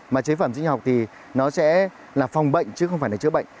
mà chế phẩm sinh học thì nó sẽ là phòng bệnh chứ không phải là chữa bệnh